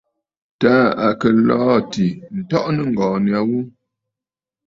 Taà à kɨ̀ lɔ̀ɔ̂ àtì ǹtɔʼɔ nɨ̂ŋgɔ̀ɔ̀ nya ghu.